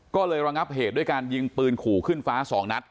ก็เลยระงับเหตุด้วยการยิงปืนขู่ขึ้นฟ้า๒นัด